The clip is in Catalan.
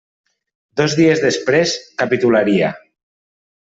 Dos dies després capitularia.